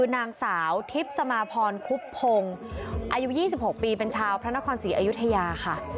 นางสาวทิพย์สมาพรคุบพงศ์อายุ๒๖ปีเป็นชาวพระนครศรีอยุธยาค่ะ